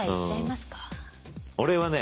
俺はね